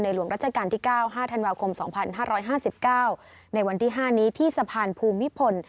หลวงรัชกาลที่๙๕ธันวาคม๒๕๕๙ในวันที่๕นี้ที่สะพานภูมิพล